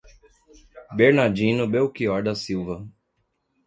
Bernardino Belchior da Silva